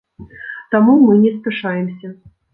Таму мы не спяшаемся.